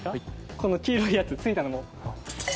この黄色いやつ付いたのも。